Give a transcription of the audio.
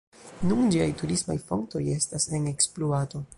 Nun ĝiaj turismaj fontoj estas en ekspluato.